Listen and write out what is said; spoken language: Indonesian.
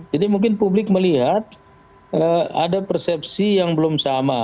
jadi mungkin publik melihat ada persepsi yang belum sama